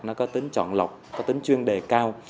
nó có tính chọn lọc có tính chuyên đề cao